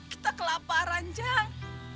kita kelaparan jang